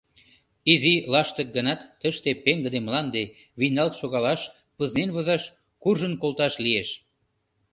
Изи лаштык гынат, тыште пеҥгыде мланде, вийналт шогалаш, пызнен возаш, куржын колташ лиеш».